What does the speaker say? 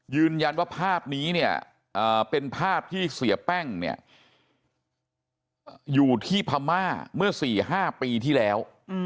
ยืนยันว่าภาพนี้เนี่ยเป็นภาพที่เสียแป้งเนี่ยอยู่ที่พม่าเมื่อ๔๕ปีที่แล้ว